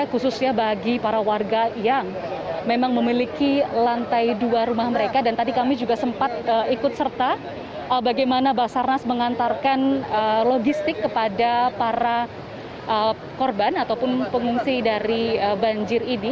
khususnya bagi para warga yang memang memiliki lantai dua rumah mereka dan tadi kami juga sempat ikut serta bagaimana basarnas mengantarkan logistik kepada para korban ataupun pengungsi dari banjir ini